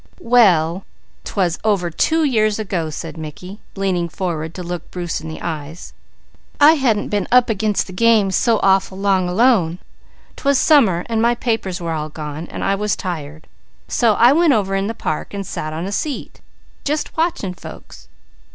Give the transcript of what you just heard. "Well, 'twas over two years ago," said Mickey, leaning forward to look Bruce in the eyes. "I hadn't been up against the game so awful long alone. 'Twas summer and my papers were all gone, and I was tired, so I went over in the park and sat on a seat, just watching folks.